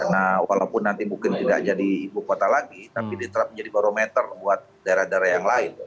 nah walaupun nanti mungkin tidak jadi ibu kota lagi tapi diterap menjadi barometer buat daerah daerah yang lain